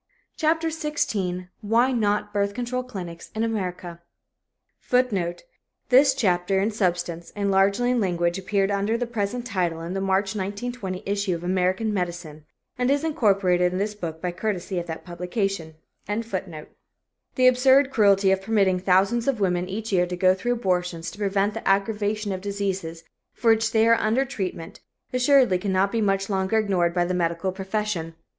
CHAPTER XVI WHY NOT BIRTH CONTROL CLINICS IN AMERICA [Footnote: This chapter, in substance, and largely in language, appeared under the present title in the March, 1920, issue of American Medicine (New York) and is incorporated in this book by courtesy of that publication.] The absurd cruelty of permitting thousands of women each year to go through abortions to prevent the aggravation of diseases for which they are under treatment assuredly cannot be much longer ignored by the medical profession.